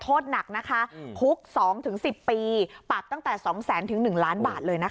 โทษหนักนะคะคุก๒๑๐ปีปรับตั้งแต่๒แสนถึง๑ล้านบาทเลยนะคะ